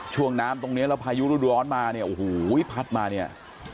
ช่วงน้ำตรงเนี้ยเราพายุร้อนมาเนี้ยโอ้โหพัดมาเนี้ย